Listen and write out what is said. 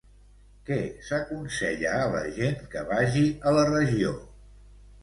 Què s'aconsella a la gent que vagi a la regió?